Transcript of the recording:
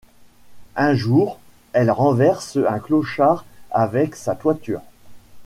Un jour, elle renverse un clochard avec sa voiture.